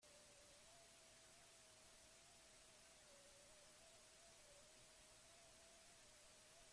Hainbat ikasle elebakar izatera behartzen duen sistemak badu zer hobetu.